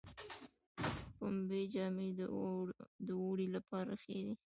پنبې جامې د اوړي لپاره ښې دي